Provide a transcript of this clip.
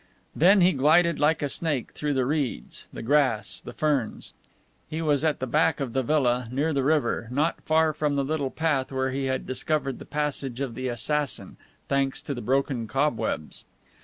Then he glided like a snake through the reeds, the grass, the ferns. He was at the back of the villa, near the river, not far from the little path where he had discovered the passage of the assassin, thanks to the broken cobwebs.